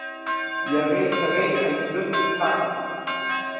Иареи сареи ҳаицрыҵит Қарҭ.